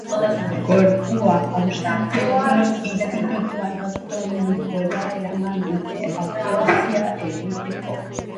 Gorpua auzitegiko institu anatomikora eraman dute autopsia egiteko.